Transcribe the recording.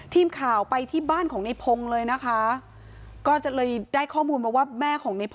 ทีมข่าวไปที่บ้านของในพงศ์เลยนะคะก็เลยได้ข้อมูลมาว่าแม่ของในพ